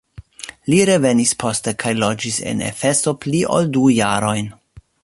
Li revenis poste kaj loĝis en Efeso pli ol du jarojn.